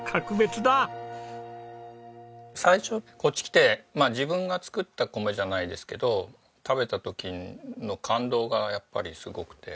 最初こっち来て自分が作った米じゃないですけど食べた時の感動がやっぱりすごくて。